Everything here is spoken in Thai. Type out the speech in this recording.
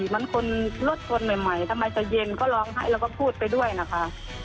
มันคนรถชนใหม่ทำไมจะเย็นก็ร้องไห้แล้วก็พูดไปด้วยนะคะ